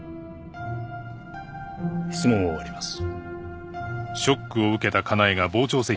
質問を終わります。